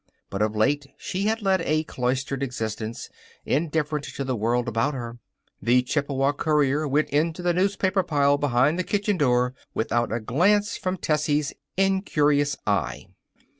But of late she had led a cloistered existence, indifferent to the world about her. The Chippewa Courier went into the newspaper pile behind the kitchen door without a glance from Tessie's incurious eye.